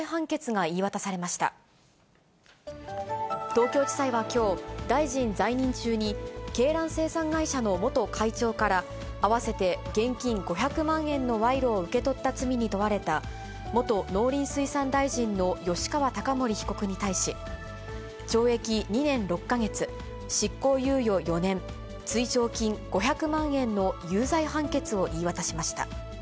東京地裁はきょう、大臣在任中に、鶏卵生産会社の元会長から、合わせて現金５００万円の賄賂を受け取った罪に問われた、元農林水産大臣の吉川貴盛被告に対し、懲役２年６か月、執行猶予４年、追徴金５００万円の有罪判決を言い渡しました。